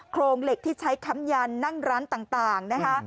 โครงเหล็กที่ใช้ค้ำยันนั่งร้านต่างนะคะ